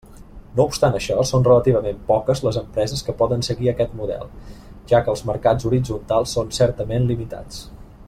No obstant això, són relativament poques les empreses que poden seguir aquest model, ja que els mercats horitzontals són certament limitats.